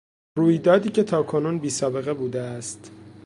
رویدادی که تاکنون بیسابقه بوده است